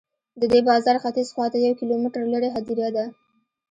د دې بازار ختیځ خواته یو کیلومتر لرې هدیره ده.